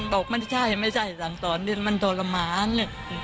บอกไม่ใช่ไม่ใช่สั่งสอนเล่นมันทรมาน